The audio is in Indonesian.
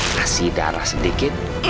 kasih darah sedikit